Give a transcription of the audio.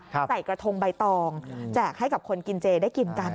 ใส่กระทงใบตองแจกให้กับคนกินเจได้กินกัน